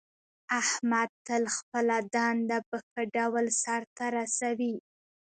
احمد تل خپله دنده په ښه ډول سرته رسوي.